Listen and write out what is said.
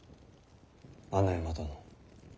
穴山殿。